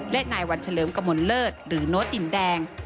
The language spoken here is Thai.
และนายวันเฉลิมกมลเลิศหรือโน้ตดินแดง